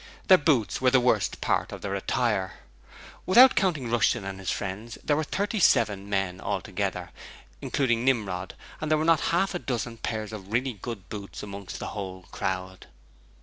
Their boots were the worst part of their attire: without counting Rushton and his friends, there were thirty seven men altogether, including Nimrod, and there were not half a dozen pairs of really good boots amongst the whole crowd.